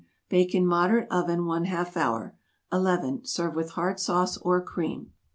Bake in moderate oven one half hour. 11. Serve with Hard Sauce or cream.